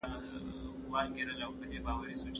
که انلاین تمرین موجود وي، حافظه نه کمزورې کېږي.